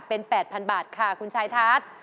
เป็น๘๐๐๐บาทค่ะคุณชายทัศน์